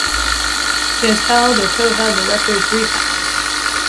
He has held or co-held the record three times.